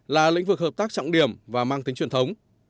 là lĩnh vực hợp tác trọng điểm và mang tính truyền thống